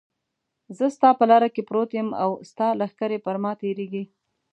زه ستا په لاره کې پروت یم او ستا لښکرې پر ما تېرېږي.